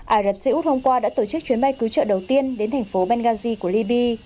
ả rập xê út hôm qua đã tổ chức chuyến bay cứu trợ đầu tiên đến thành phố benghazi của liby